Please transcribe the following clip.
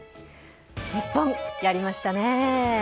日本、やりましたね。